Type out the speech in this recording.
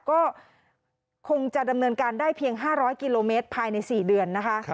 ก็คงจะดำเนินการได้เพียง๕๐๐กิโลเมตรภายใน๔เดือนนะคะ